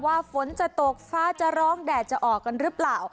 ฝนจะตกฟ้าจะร้องแดดจะออกกันหรือเปล่า